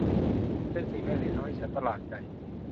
เป็นสิ่งแรกที่ทำให้ฉันประหลาดใจ